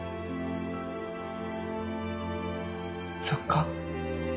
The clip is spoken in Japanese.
そっか。